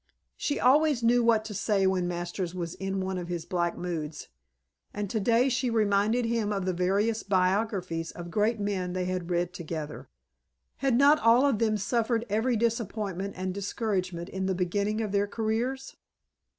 She always knew what to say when Masters was in one of his black moods, and today she reminded him of the various biographies of great men they had read together. Had not all of them suffered every disappointment and discouragement in the beginning of their careers?